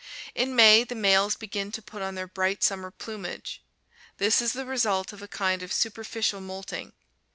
In May the males begin to put on their bright summer plumage. This is the result of a kind of superficial moulting.